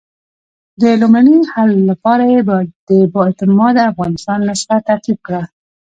د لومړني حل لپاره یې د با اعتماده افغانستان نسخه ترتیب کړه.